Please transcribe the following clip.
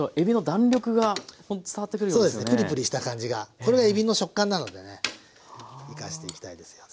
これはえびの食感なのでね生かしていきたいですよね。